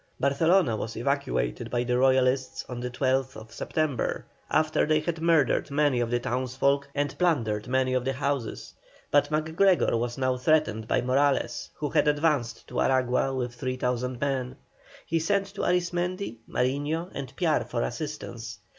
Barcelona was evacuated by the Royalists on the 12th September, after they had murdered many of the townsfolk and plundered many of the houses, but MacGregor was now threatened by Morales, who had advanced to Aragua with 3,000 men. He sent to Arismendi, Mariño, and Piar for assistance.